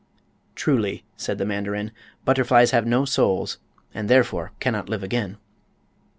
"Truly," said the mandarin, "butterflies have no souls, and therefore cannot live again."